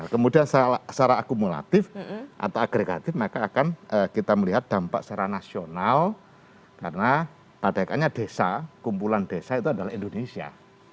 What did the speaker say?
kemudian secara akumulatif atau agregatif maka akan kita melihat dampak secara nasional karena pada akhirnya desa kumpulan desa itu adalah indonesia